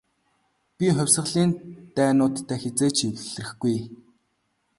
Би хувьсгалын дайснуудтай хэзээ ч эвлэрэхгүй.